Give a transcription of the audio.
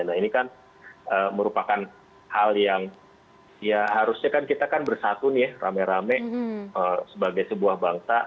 nah ini kan merupakan hal yang ya harusnya kan kita kan bersatu nih rame rame sebagai sebuah bangsa